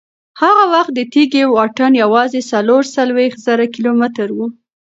هغه وخت د تېږې واټن یوازې څلور څلوېښت زره کیلومتره و.